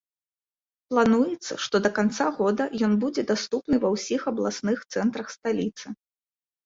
Плануецца, што да канца года ён будзе даступны ва ўсіх абласных цэнтрах сталіцы.